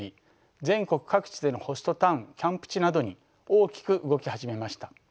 全国各地でのホストタウンキャンプ地などに大きく動き始めました。